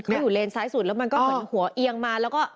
เขาอยู่เลนซ้ายสุดแล้วมันก็เหมือนหัวเอียงมาแล้วก็